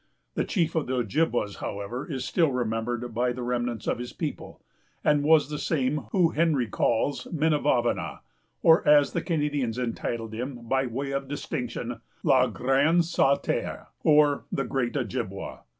The chief of the Ojibwas, however, is still remembered by the remnants of his people, and was the same whom Henry calls Minavavana, or, as the Canadians entitled him, by way of distinction, Le Grand Sauteur, or the Great Ojibwa.